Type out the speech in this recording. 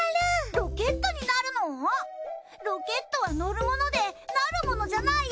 ロケットは乗るものでなるものじゃないよ